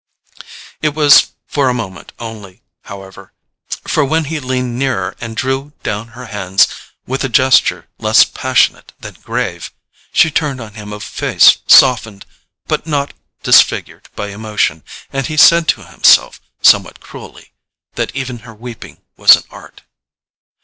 It was for a moment only, however; for when he leaned nearer and drew down her hands with a gesture less passionate than grave, she turned on him a face softened but not disfigured by emotion, and he said to himself, somewhat cruelly, that even her weeping was an art.